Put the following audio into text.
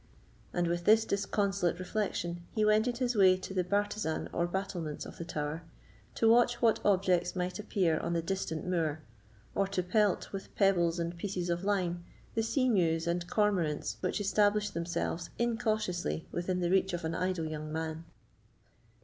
And with this disconsolate reflection, he wended his way to the bartizan or battlements of the tower, to watch what objects might appear on the distant moor, or to pelt, with pebbles and pieces of lime, the sea mews and cormorants which established themselves incautiously within the reach of an idle young man.